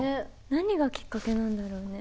何がきっかけなんだろうね。